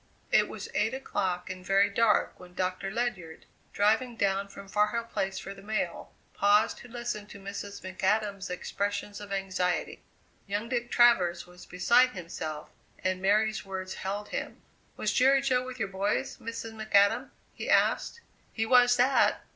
It was eight o'clock and very dark when Doctor Ledyard, driving down from Far Hill Place for the mail, paused to listen to Mrs. McAdam's expressions of anxiety. Young Dick Travers was beside him, and Mary's words held him. "Was Jerry Jo with your boys, Mrs. McAdam?" he asked. "He was that!